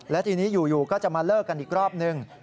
และทีนี้อยู่ก็จะมาเลิกกันอีกรอบนึง